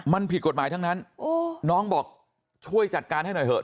มันผิดกฎหมายทั้งนั้นน้องบอกช่วยจัดการให้หน่อยเถอ